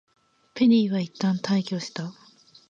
ペリーはいったん退去した。